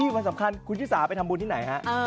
วันสำคัญคุณชิสาไปทำบุญที่ไหนฮะ